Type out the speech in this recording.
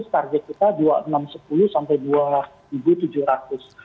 target kita dua ribu enam ratus sepuluh sampai dua ribu tujuh ratus